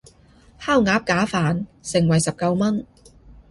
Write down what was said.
烤鴨架飯，盛惠十九文